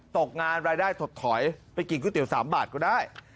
ตกงานรายได้ถดถอยไปกินก๋วเตี๋ย๓บาทก็ได้